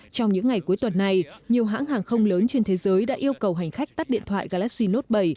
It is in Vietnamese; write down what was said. trong những ngày cuối tuần này nhiều hãng hàng không lớn trên thế giới đã yêu cầu hành khách tắt điện thoại galaxy note vẩy